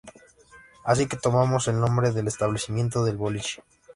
Así que tomamos el nombre del establecimiento del boliche.